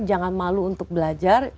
jangan malu untuk belajar